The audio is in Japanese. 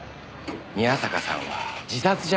「宮坂さんは自殺じゃないんですか？」